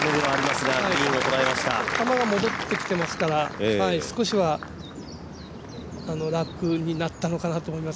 球は戻ってきてますから少しは楽になったのかなと思います。